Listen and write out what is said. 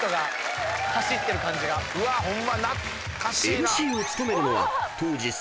［ＭＣを務めるのは］